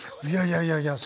いやいやいや。